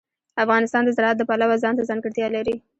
افغانستان د زراعت د پلوه ځانته ځانګړتیا لري.